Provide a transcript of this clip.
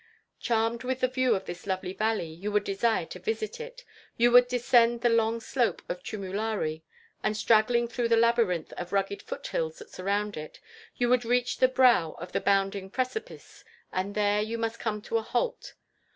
Charmed with the view of this lovely valley, you would desire to visit it. You would descend the long slope of Chumulari, and straggling through the labyrinth of rugged foot hills that surround it, you would reach the brow of the bounding precipice; but there you must come to a halt.